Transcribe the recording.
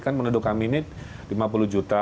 kan menurut kami ini lima puluh juta